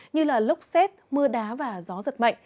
như lốc xét mưa đá và gió giật mạnh